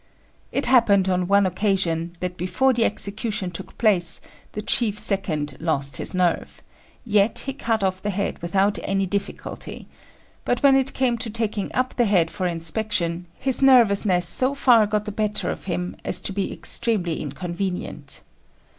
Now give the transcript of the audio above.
It happened on one occasion that before the execution took place the chief second lost his nerve, yet he cut off the head without any difficulty; but when it came to taking up the head for inspection, his nervousness so far got the better of him as to be extremely inconvenient.